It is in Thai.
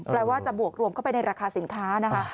ว่าจะบวกรวมเข้าไปในราคาสินค้านะคะ